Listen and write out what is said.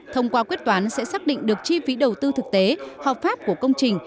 thông qua quyết toán sẽ xác định được chi phí đầu tư thực tế hợp pháp của công trình